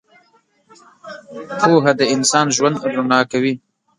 • پوهه د انسان ژوند رڼا کوي.